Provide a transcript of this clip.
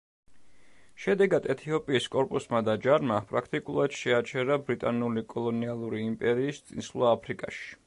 შედეგად ეთიოპიის კორპუსმა და ჯარმა პრაქტიკულად შეაჩერა ბრიტანული კოლონიალური იმპერიის წინსვლა აფრიკაში.